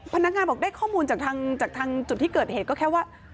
พนักงานบอกได้ข้อมูลจากทางจุดที่เกิดเหตุก็แค่ว่า